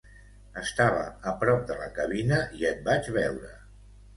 Estava a prop de la cabina i et vaig veure.